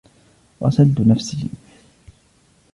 غسلت نفسي.